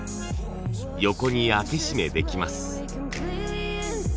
横に開け閉めできます。